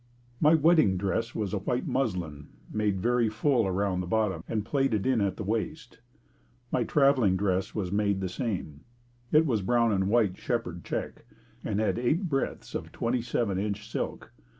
My wedding dress was a white muslin, made very full around the bottom and plaited in at the waist. My traveling dress was made the same. It was a brown and white shepherd check and had eight breadths of twenty seven inch silk.